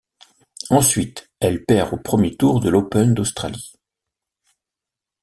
Ensuite, elle perd au premier tour de l'Open d'Australie.